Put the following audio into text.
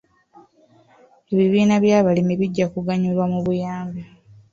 Ebibiina by'abalimi bijja kuganyulwa mu buyambi.